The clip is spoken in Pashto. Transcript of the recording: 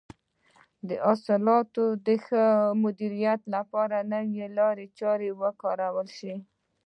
د حاصلاتو د ښه مدیریت لپاره نوې لارې چارې وکارول شي.